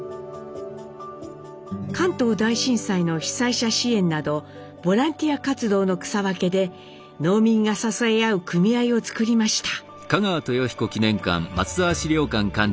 関東大震災の被災者支援などボランティア活動の草分けで農民が支え合う組合を作りました。